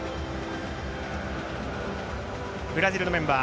ブラジルのメンバー。